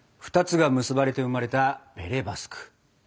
２つが結ばれて生まれたベレ・バスク。